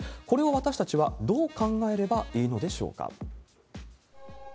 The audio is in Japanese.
これを私たちはどう考えればいいのでしょうか。